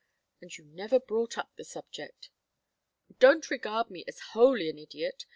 And you never brought up the subject " "Don't regard me as wholly an idiot.